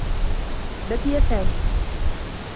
بكي سامي.